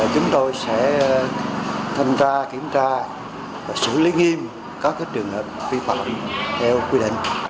chúng tôi sẽ tham gia kiểm tra và xử lý nghiêm các trường hợp phi phạm theo quy định